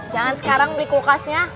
jangan sekarang beli kulkasnya